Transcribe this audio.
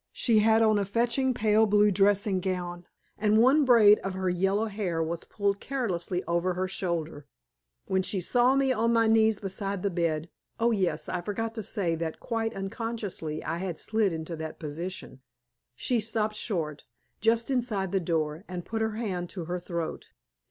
She had on a fetching pale blue dressing gown, and one braid of her yellow hair was pulled carelessly over her shoulder. When she saw me on my knees beside the bed (oh, yes, I forgot to say that, quite unconsciously, I had slid into that position) she stopped short, just inside the door, and put her hand to her throat.